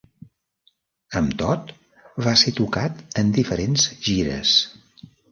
Amb tot, va ser tocat en diferents gires.